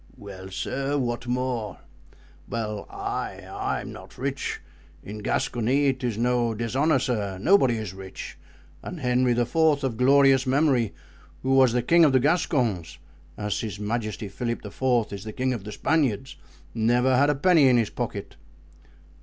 "Well, sir? What more?" "Well—I—I'm not rich. In Gascony 'tis no dishonor, sir, nobody is rich; and Henry IV., of glorious memory, who was the king of the Gascons, as His Majesty Philip IV. is the king of the Spaniards, never had a penny in his pocket."